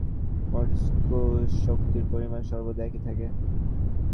মোট স্ফূর্ত শক্তির পরিমাণ সর্বদা একই থাকে।